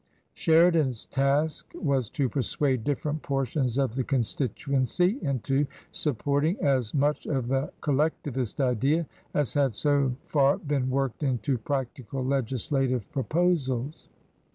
Sheridan's task was to persuade different portions of the constituency into supporting as much of the Col lectivist idea as had so far been worked into practical legislative proposals.